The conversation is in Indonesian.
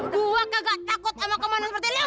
gue kagak takut sama kemana seperti lo